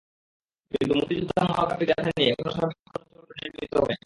কিন্তু মুক্তিযুদ্ধের মহাকাব্যিক গাথা নিয়ে এখনো সার্বিক কোনো চলচ্চিত্র নির্মিত হয়নি।